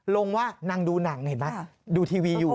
ลงว่านางดูหนังเห็นไหมดูทีวีอยู่